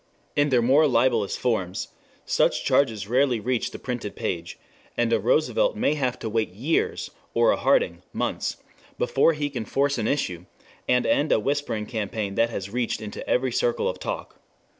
In their more libelous form such charges rarely reach the printed page, and a Roosevelt may have to wait years, or a Harding months, before he can force an issue, and end a whispering campaign that has reached into every circle of talk.